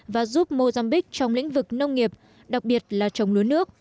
và giúp mozambiqu trong lĩnh vực nông nghiệp đặc biệt là trồng lúa nước